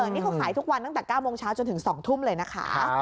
นี่เขาขายทุกวันตั้งแต่๙โมงเช้าจนถึง๒ทุ่มเลยนะคะ